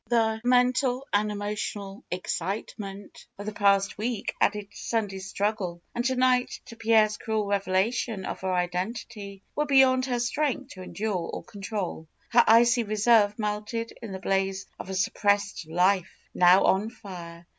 The mental and emotional excitement of the past week, added to Sunday's strug gle, and to night to Pierre's cruel revelation of her identity, were beyond her strength to endure or con trol. Her icy reserve melted in the blaze of a sup pressed life, now on fire.